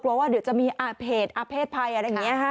กลัวว่าเดี๋ยวจะมีอาเภษอาเภษภัยอะไรอย่างนี้